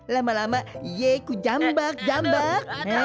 lama lama iye ku jambak jambak